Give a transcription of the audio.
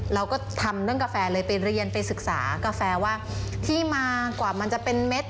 เราก็ทำเรื่องกาแฟเลยไปเรียนไปศึกษากาแฟว่าที่มากว่ามันจะเป็นเม็ด